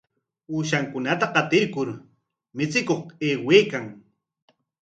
Ushankunata qatirkur michikuq aywaykan.